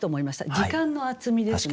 時間の厚みですね。